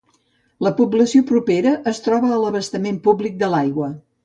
La població propera es troba a l'abastament públic d'aigua.